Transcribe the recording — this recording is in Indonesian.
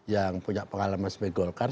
yang punya pengalaman sebagai golkar